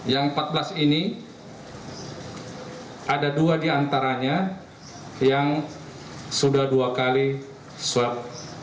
yang empat belas ini ada dua di antaranya yang sudah dua kali swab